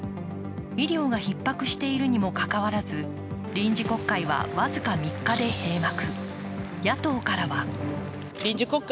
医療がひっ迫しているにもかかわらず臨時国会は僅か３日で閉幕。